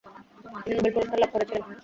তিনি নোবেল পুরস্কার লাভ করেছিলেন।